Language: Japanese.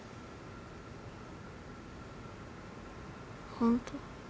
本当？